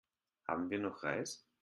Haben wir noch Reis?